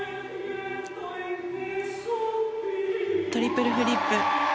トリプルフリップ。